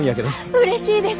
うれしいです。